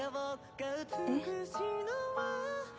えっ？